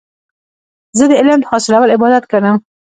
زه د علم حاصلول عبادت ګڼم.